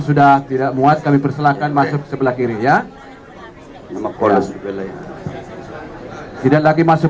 tidak tidak muat kami persilahkan masuk sebelah kiri ya makasih tidak lagi masuk